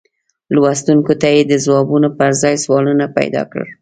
لوستونکو ته یې د ځوابونو پر ځای سوالونه پیدا کړل.